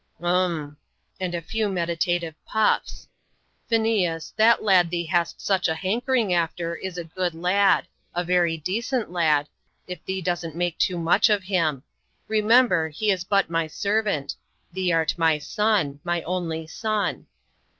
"Um!" and a few meditative puffs. "Phineas, the lad thee hast such a hankering after is a good lad a very decent lad if thee doesn't make too much of him. Remember; he is but my servant; thee'rt my son my only son."